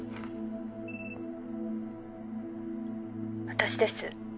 私です。